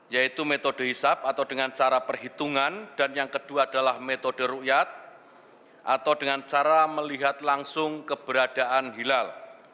yaitu metode hisap atau dengan cara perhitungan dan yang kedua adalah metode rukyat atau dengan cara melihat langsung keberadaan hilal